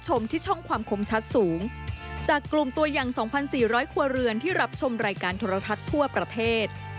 จากกลุ่มตัวอย่าง๒๔๐๐ครัวเรือนที่รับชมรายการทรทัศน์ทั่วประเทศ